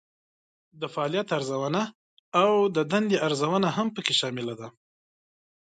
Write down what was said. د فعالیت ارزونه او د دندې ارزونه هم پکې شامله ده.